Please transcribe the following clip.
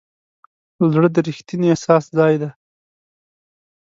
زړه د ریښتیني احساس ځای دی.